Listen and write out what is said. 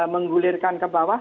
menggulirkan ke bawah